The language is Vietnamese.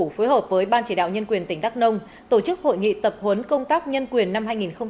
phối hợp với ban chỉ đạo nhân quyền tỉnh đắk nông tổ chức hội nghị tập huấn công tác nhân quyền năm hai nghìn hai mươi